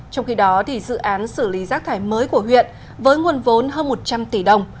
trong khi đó dự án xử lý rác thải mới của huyện với nguồn vốn hơn một trăm linh tỷ đồng